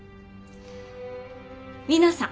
皆さん。